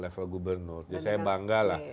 level gubernur ya saya bangga lah